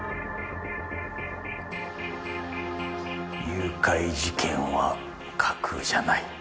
誘拐事件は架空じゃない。